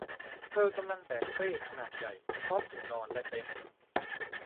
เธอกำลังแบกเป้ขนาดใหญ่พร้อมถุงนอนและเต็นท์